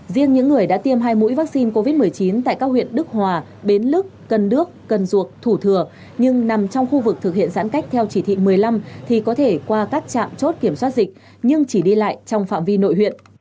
riêng những người đã tiêm hai mũi vaccine covid một mươi chín tại các huyện đức hòa bến lức cần đước cần duộc thủ thừa nhưng nằm trong khu vực thực hiện giãn cách theo chỉ thị một mươi năm thì có thể qua các trạm chốt kiểm soát dịch nhưng chỉ đi lại trong phạm vi nội huyện